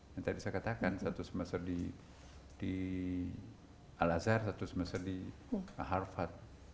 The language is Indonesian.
yang tadi saya katakan satu semester di al azhar satu semester di harvard